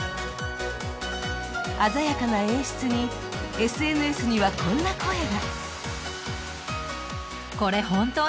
鮮やかな演出にＳＮＳにはこんな声が。